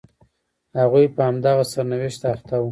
هغوی په همدغه سرنوشت اخته وو.